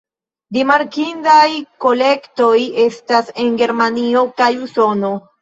Rimarkindaj kolektoj estas en Germanio kaj Usono.